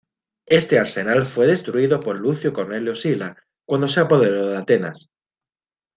Este arsenal fue destruido por Lucio Cornelio Sila cuando se apoderó de Atenas.